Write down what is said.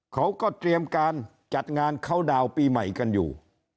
เขาก็เตรียมการจัดงานเข้าดาวน์ปีใหม่กันอยู่